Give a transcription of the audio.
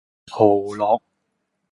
蚝烙